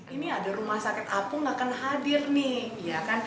ini ada rumah sakit apung tidak akan hadir nih